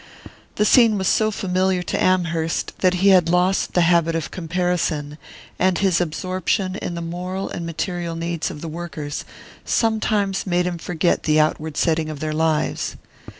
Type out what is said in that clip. The scene was so familiar to Amherst that he had lost the habit of comparison, and his absorption in the moral and material needs of the workers sometimes made him forget the outward setting of their lives.